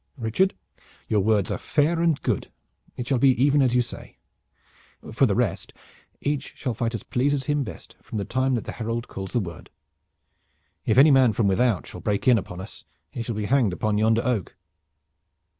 "Richard, your words are fair and good. It shall be even as you say. For the rest, each shall fight as pleases him best from the time that the herald calls the word. If any man from without shall break in upon us he shall be hanged on yonder oak."